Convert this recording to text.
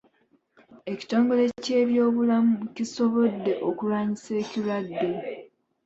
Ekitongole ky'ebyobulamu kisobodde okulwanisa ekitwadde.